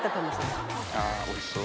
あおいしそう。